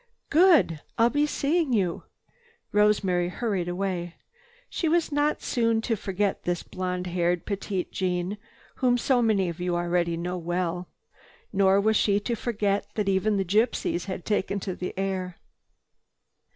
"Good! I'll be seeing you!" Rosemary hurried away. She was not soon to forget this blonde haired Petite Jeanne, whom so many of you already know well. Nor was she to forget that even the gypsies had taken to the air.